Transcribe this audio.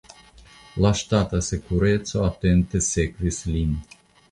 La ŝtata sekureco atente sekvis lin.